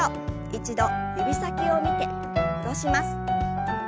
一度指先を見て戻します。